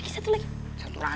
satu lagi satu lagi